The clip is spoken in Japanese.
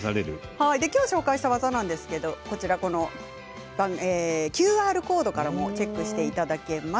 今日、紹介した技なんですけれどもＱＲコードからもチェックしていただけます。